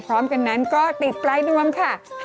พร้อมกันนั้นก็ติดปลายดวงค่ะ